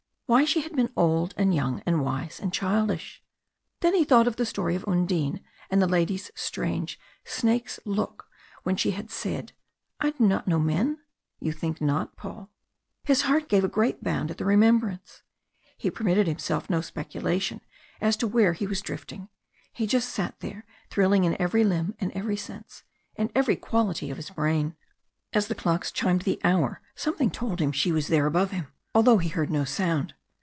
Why she had been old and young, and wise and childish. Then he thought of the story of Undine and the lady's strange, snake's look when she had said: "I do not know men? You think not, Paul?" His heart gave a great bound at the remembrance. He permitted himself no speculation as to where he was drifting. He just sat there thrilling in every limb and every sense and every quality of his brain. As the clocks chimed the hour something told him she was there above him, although he heard no sound.